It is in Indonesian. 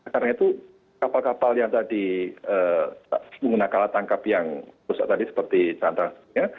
karena itu kapal kapal yang tadi menggunakan alat tangkap yang rusak tadi seperti cantang cantangnya